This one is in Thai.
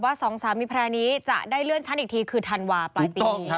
เท่ากับว่า๒๓มีพระรณีจะได้เลื่อนชั้นอีกทีคือธันวาค์ปลายปีนี้